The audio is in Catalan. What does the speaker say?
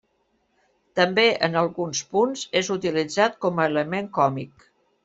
També, en alguns punts, és utilitzat com a element còmic.